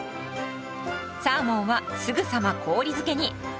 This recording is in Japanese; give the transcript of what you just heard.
サーモンはすぐさま氷漬けに。